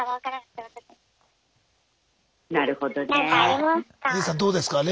なるほどね。